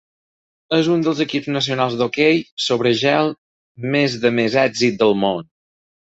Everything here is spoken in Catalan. És un dels equips nacionals d'hoquei sobre gel més de més èxit del món.